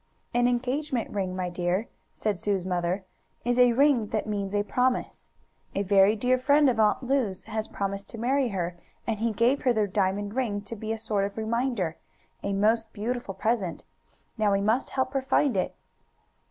"An engagement ring, my dear," said Sue's mother, "is a ring that means a promise. A very dear friend of Aunt Lu's has promised to marry her, and he gave her the diamond ring to be a sort of reminder a most beautiful present. Now we must help her find it."